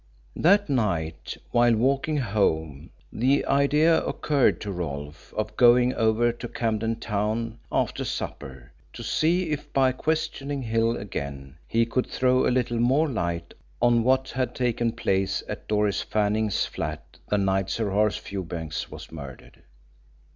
That night, while walking home, the idea occurred to Rolfe of going over to Camden Town after supper to see if by questioning Hill again he could throw a little more light on what had taken place at Doris Tanning's flat the night Sir Horace Fewbanks was murdered.